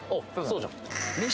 そうじゃん